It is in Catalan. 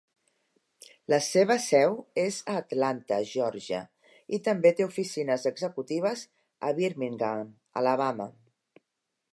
La seva seu és a Atlanta, Georgia, i també té oficines executives a Birmingham, Alabama.